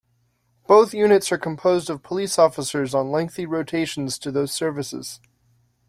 Both units are composed of police officers on lengthy rotations to those services.